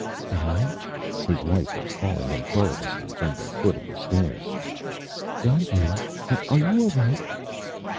"Guy?" His wife was calling him querulously from the foot of the stairs. "Guy, dear, are you all right?"